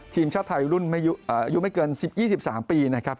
ทีมชาติไทยรุ่นอายุไม่เกิน๑๒๓ปีนะครับ